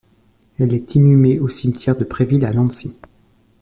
Elle est inhumée au cimetière de Préville à Nancy.